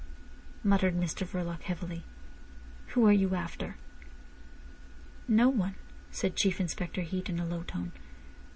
muttered Mr Verloc heavily. "Who are you after?" "No one," said Chief Inspector Heat in a low tone.